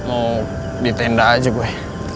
mau di tenda aja gue